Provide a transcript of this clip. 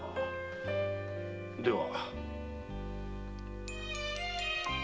では。